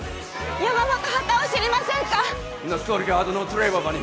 山本幡男知りませんか？